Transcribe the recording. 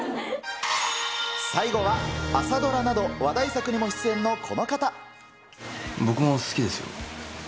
最後は朝ドラなど話題作にも僕も好きですよ。